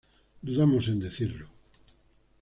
dudamos en decirlo